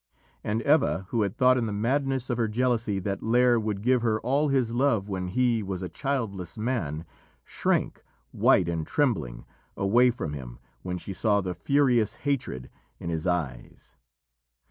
And Eva, who had thought in the madness of her jealousy that Lîr would give her all his love when he was a childless man, shrank, white and trembling, away from him when she saw the furious hatred in his eyes.